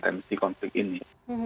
tensi konflik ini